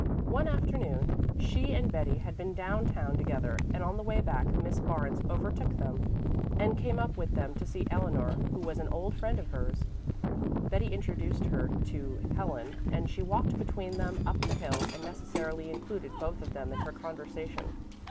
One afternoon she and Betty had been down town together, and on the way back Miss Barnes overtook them, and came up with them to see Eleanor, who was an old friend of hers. Betty introduced her to Helen and she walked between them up the hill and necessarily included both of them in her conversation.